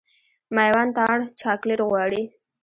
مېوند تارڼ چاکلېټ غواړي.